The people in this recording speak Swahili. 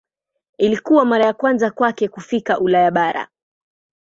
Ilikuwa mara ya kwanza kwake kufika Ulaya bara.